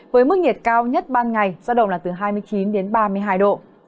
với mức nhiệt cao nhất ban ngày giao động là từ hai mươi chín đến ba mươi hai độ